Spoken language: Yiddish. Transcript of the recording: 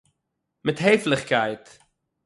מיט העפליכקייט